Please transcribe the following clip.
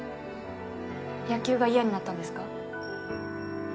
野球が嫌になったんですか？